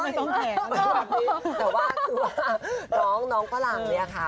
แต่ว่าคือว่าน้องก็หลังนี่ค่ะ